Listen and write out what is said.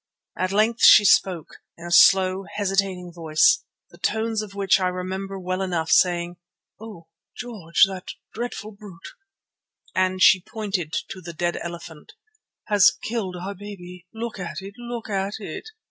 At length she spoke in a slow, hesitating voice, the tones of which I remembered well enough, saying: "Oh! George, that dreadful brute," and she pointed to the dead elephant, "has killed our baby. Look at it! Look at it!